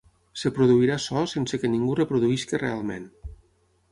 Es produirà so sense que ningú reprodueixi realment.